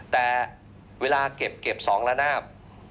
แต่เวลาเก็บ๒ละนาบ